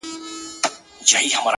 رب دي سپوږمۍ كه چي رڼا دي ووينمه!